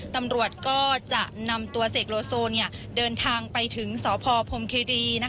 ตำรวจก็จะนำตัวเสกโลโซเดินทางไปถึงสพพรมเครี